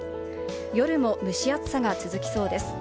夜も蒸し暑さが続きそうです。